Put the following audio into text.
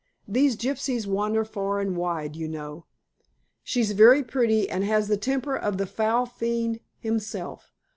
These gypsies wander far and wide, you know. She's very pretty, and has the temper of the foul fiend himself.